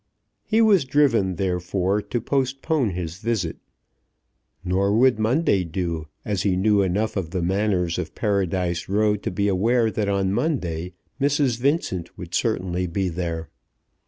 He was driven, therefore, to postpone his visit. Nor would Monday do, as he knew enough of the manners of Paradise Row to be aware that on Monday Mrs. Vincent would certainly be there.